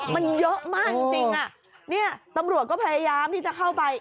มันเยอะมากจริงอ่ะเนี่ยตำรวจก็พยายามที่จะเข้าไป